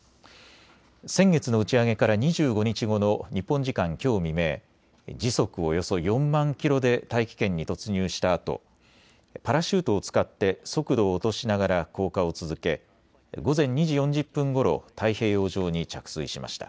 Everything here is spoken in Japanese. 先月の打ち上げから２５日後の日本時間きょう未明、時速およそ４万キロで大気圏に突入したあとパラシュートを使って速度を落としながら降下を続け午前２時４０分ごろ、太平洋上に着水しました。